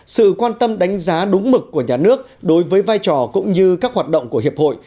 sự quan tâm đánh giá đúng mực của nhà nước đối với vai trò cũng như các hoạt động của hiệp hội